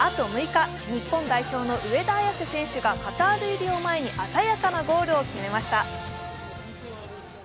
日本代表の上田綺世選手がカタール入りを前に鮮やかなゴールを決めました。